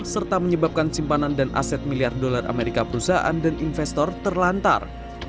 serta menyebabkan simpanan dan aset miliar dolar amerika perusahaan dan investor terlantar